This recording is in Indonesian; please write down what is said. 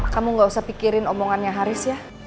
kamu gak usah pikirin omongannya haris ya